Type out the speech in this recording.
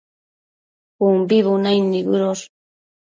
umbi bunaid nibëdosh